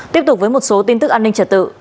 tiếp tục với một số tin tức an ninh trật tự